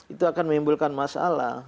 itu akan menimbulkan masalah